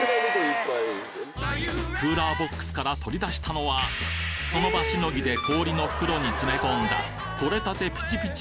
クーラーボックスから取り出したのはその場しのぎで氷の袋に詰め込んだとれたてピチピチ